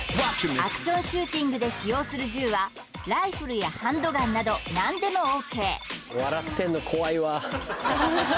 アクションシューティングで使用する銃はライフルやハンドガンなど何でもＯＫ